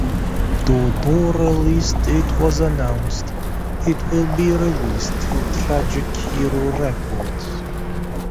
Though no release date was announced, it will be released through Tragic Hero Records.